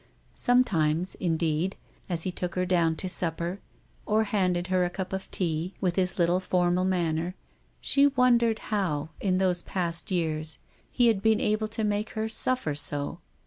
Sometimes, indeed, as lie took her down to supper, or handed her a cup of tea, with his little formal manner, she wondered how, in those past years, he had been able to make her suffer so.